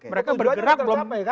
mereka bergerak belum